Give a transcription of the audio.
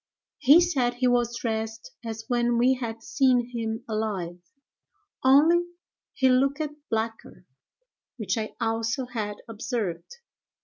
He said he was dressed as when we had seen him alive, only he looked blacker, which I also had observed."